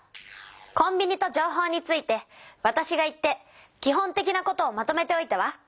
コンビニと情報についてわたしが行ってき本的なことをまとめておいたわ。